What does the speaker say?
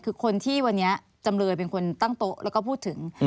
คือคนที่วันนี้จำเลยเป็นคนตั้งโต๊ะแล้วก็พูดถึง